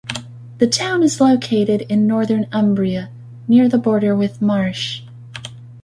The town is located in northern Umbria, near the border with Marche.